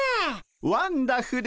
ワンダフル！